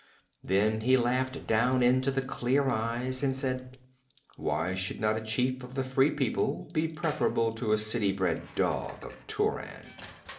Then he laughed down into the clear eyes, and said: 'Why should not a chief of the Free People be preferable to a city bred dog of Turan?'